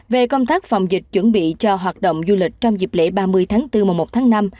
về công tác phòng dịch chuẩn bị cho hoạt động du lịch trong dịp lễ ba mươi tháng bốn mùa một tháng năm